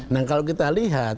nah kalau kita lihat